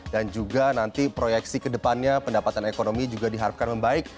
dan juga nanti proyeksi kedepannya pendapatan ekonomi juga diharapkan membaik